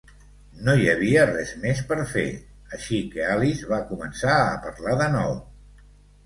No hi havia res més per fer, així que Alice va començar a parlar de nou.